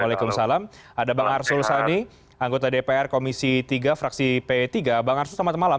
waalaikumsalam ada bang arsul sani anggota dpr komisi tiga fraksi p tiga bang arsul selamat malam